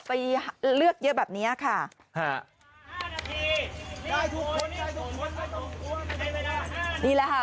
ไปเลือกเยอะแบบเนี้ยค่ะนี้แหละค่ะ